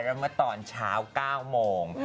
เรามาตอนเช้า๙โมง